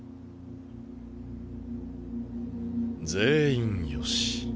全員よし。